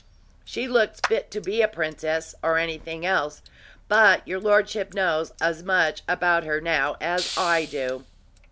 "She looks fit to be a princess, or anything else; but your lordship knows as much about her, now, as I do."